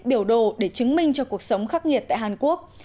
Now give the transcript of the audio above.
biểu đồ để chứng minh cho cuộc sống khắc nghiệt tại hàn quốc